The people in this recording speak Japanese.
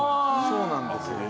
そうなんですよ。